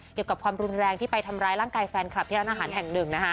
เกี่ยวกับความรุนแรงที่ไปทำร้ายร่างกายแฟนคลับที่ร้านอาหารแห่งหนึ่งนะฮะ